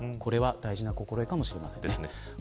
これは大事な心得かもしれません。